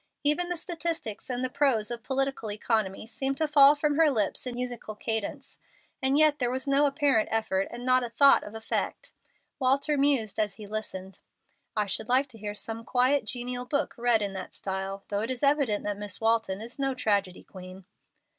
Even the statistics and the prose of political economy seemed to fall from her lips in musical cadence, and yet there was no apparent effort and not a thought of effect. Walter mused as he listened. "I should like to hear some quiet, genial book read in that style, though it is evident that Miss Walton is no tragedy queen."